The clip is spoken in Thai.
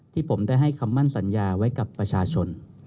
ที่ผมได้ให้คำมั่นสัญญาไว้กับประชาชน